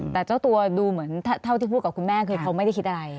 แต่เจ้าตัวดูเหมือนเท่าที่พูดกับคุณแม่คือเขาไม่ได้คิดอะไร